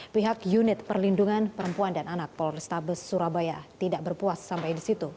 pihak unit perlindungan perempuan dan anak polrestabes surabaya tidak berpuas sampai di situ